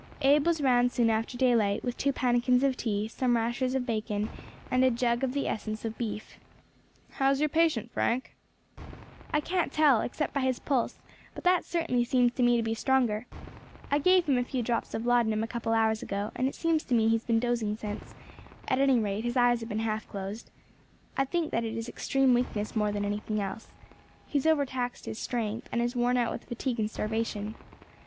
Abe was round soon after daylight, with two pannikins of tea, some rashers of bacon, and a jug of the essence of beef. "How is your patient, Frank?" "I can't tell, except by his pulse; but that certainly seems to me to be stronger. I gave him a few drops of laudanum a couple of hours ago, and it seems to me he has been dozing since; at any rate his eyes have been half closed. I think that it is extreme weakness more than anything else; he has overtaxed his strength, and is worn out with fatigue and starvation.